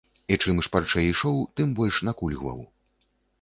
І чым шпарчэй ішоў, тым больш накульгваў.